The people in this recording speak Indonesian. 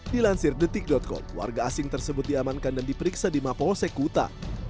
dilansir detik com warga asing tersebut diamankan dan diperiksa di mapolsek kuta